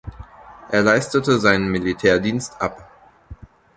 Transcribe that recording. Er leistete seinen Militärdienst ab.